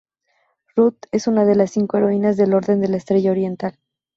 Rut es una de las Cinco Heroínas del Orden de la Estrella Oriental.